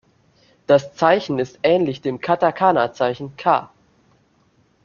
Das Zeichen ist "ähnlich" dem Katakanazeichen カ „ka“.